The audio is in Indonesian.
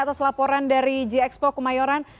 atas laporan dari gxpo kemayoran